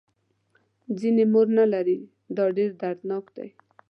ځینې مور نه لري دا ډېر دردناک دی.